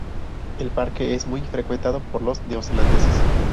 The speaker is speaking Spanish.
El parque es muy frecuentado por los neozelandeses.